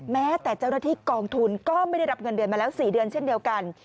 แม้แต่เจ้าหน้าที่กองทุนก็ไม่ได้รับเงินเดือนมาแล้ว๔เดือนเช่นเดียวกัน